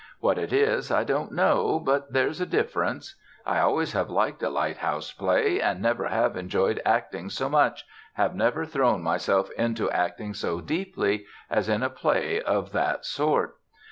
What it is, I don't know; but there's a difference. I always have liked a lighthouse play, and never have enjoyed acting so much, have never thrown myself into acting so deeply, as in a play of that sort.